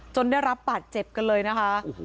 ได้รับบาดเจ็บกันเลยนะคะ